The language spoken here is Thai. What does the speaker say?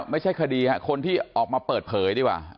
ไม่ใช่คดีคนที่ออกมาเปิดเผยดีกว่า